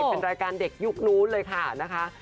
เป็นรายการเด็กยุคนู้นเลยค่ะนะคะ